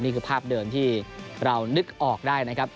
นี่คือภาพเดิมที่เรานึกออกได้นะครับ